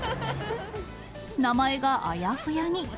名前があやふやに。